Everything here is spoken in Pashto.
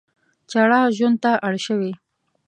چړه ژوند ته اړ شوي.